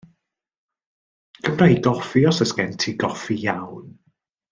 Gymra i goffi os oes gen ti goffi iawn.